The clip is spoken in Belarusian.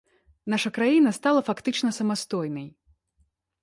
Наша краіна стала фактычна самастойнай.